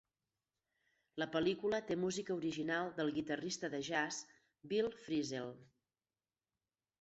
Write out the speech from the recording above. La pel·lícula té música original del guitarrista de jazz Bill Frisell.